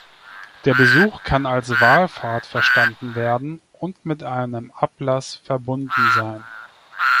Der Besuch kann als Wallfahrt verstanden werden und mit einem Ablass verbunden sein.